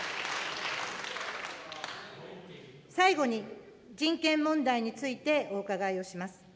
最後に、人権問題についてお伺いをします。